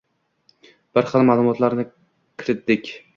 Bir xil ma’lumotlarni kiritdik.